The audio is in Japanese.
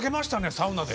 サウナで。